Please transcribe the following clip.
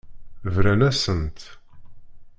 Bran-asent.